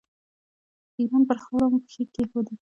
د ایران پر خاوره مو پښې کېښودې.